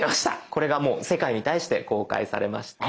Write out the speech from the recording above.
これがもう世界に対して公開されました。